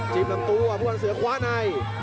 จิ้มลำตัวพวกมันเสือขวาใน